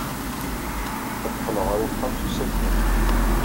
Ad d-qqleɣ ɣer uxxam s usakal.